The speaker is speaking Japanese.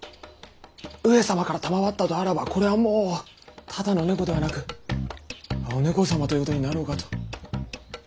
上様から賜ったとあらばこれはもうただの猫ではなく「お猫様」ということになろうかと。